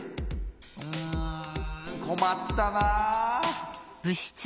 うんこまったなぁ。